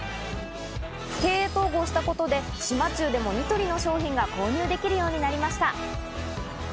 経営統合したことで島忠でもニトリの商品が購入できるようになりました。